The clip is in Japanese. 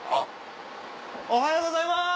おはようございます！